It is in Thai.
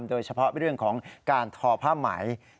โดยเฉพาะเรื่องของการทอผ้าไหม